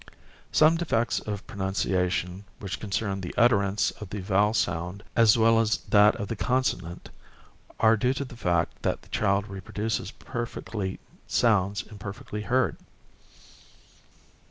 Some defects of pronunciation which concern the utterance of the vowel sound as well as that of the consonant are due to the fact that the child reproduces perfectly sounds imperfectly heard.